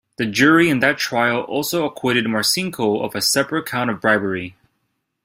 The jury in that trial also acquitted Marcinko of a separate count of bribery.